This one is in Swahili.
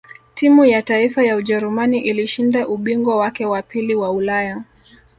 timu ya taifa ya ujerumani ilishinda ubingwa wake wa pili wa ulaya